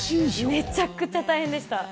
めちゃくちゃ大変でした。